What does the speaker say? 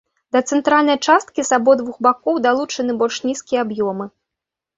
Да цэнтральнай часткі з абодвух бакоў далучаны больш нізкія аб'ёмы.